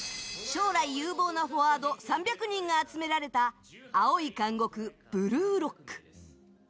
将来有望なフォワード３００人が集められた青い監獄、ブルーロック。